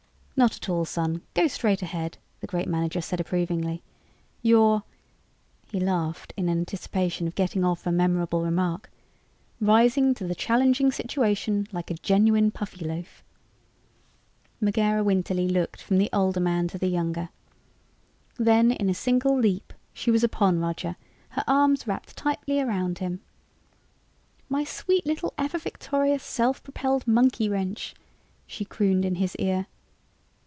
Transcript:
"Not at all, son; go straight ahead," the great manager said approvingly. "You're" he laughed in anticipation of getting off a memorable remark "rising to the challenging situation like a genuine Puffyloaf." Megera Winterly looked from the older man to the younger. Then in a single leap she was upon Roger, her arms wrapped tightly around him. "My sweet little ever victorious, self propelled monkey wrench!" she crooned in his ear.